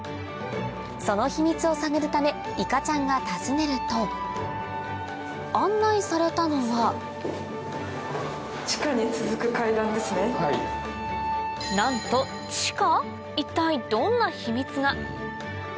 その秘密を探るためいかちゃんが訪ねると案内されたのはなんと地下？